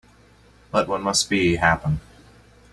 Let what must be, happen.